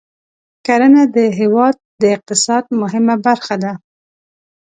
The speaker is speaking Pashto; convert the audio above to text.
کرنه د هېواد د اقتصاد مهمه برخه ده.